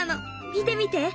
見てみて。